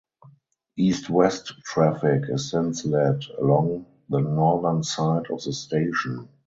East–west traffic is since led along the northern side of the station.